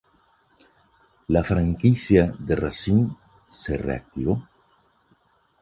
La franquicia de Racine se reactivó.